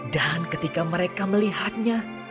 dan ketika mereka melihatnya